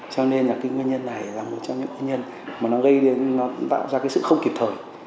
cho nên là nguyên nhân này là một trong những nguyên nhân mà nó gây ra sự không kịp thời